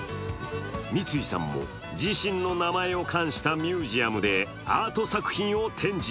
三井さんも、自身の名前を冠したミュージアムでアート作品を展示。